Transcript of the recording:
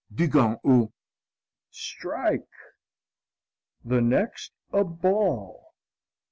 Dugan, au strike. The next a ball.